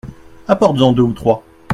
Apportes-en deux ou trois.